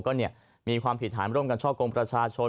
ก็มีความผิดฐานร่วมกันช่อกงประชาชน